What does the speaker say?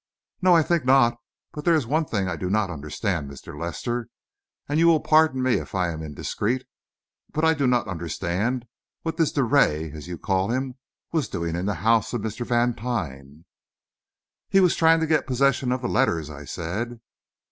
"No, I think not. But there is one thing I do not understand, Mr. Lester, and you will pardon me if I am indiscreet. But I do not understand what this Drouet, as you call him, was doing in the house of Mr. Vantine." "He was trying to get possession of the letters," I said.